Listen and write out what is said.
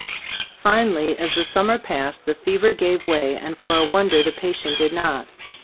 Finally, as the summer passed, the fever gave way, and for a wonder the patient did not.